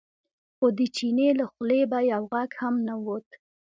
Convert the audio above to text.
خو د چیني له خولې به یو غږ هم نه ووت.